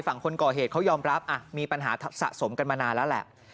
ฝั่งคนก่อเหตุเขายอมรับมีปัญหาสะสมกันมานานแล้วแหละ